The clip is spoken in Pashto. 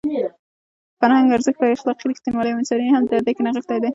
د فرهنګ ارزښت په اخلاقي رښتینولۍ او په انساني همدردۍ کې نغښتی دی.